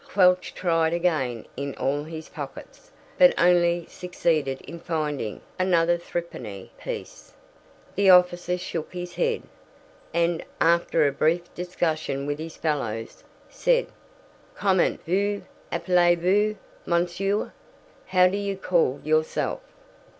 Quelch tried again in all his pockets, but only succeeded in finding another threepenny piece. The officer shook his head, and, after a brief discussion with his fellows, said, "Comment vous appelez vous, monsieur? How do you call yourself?"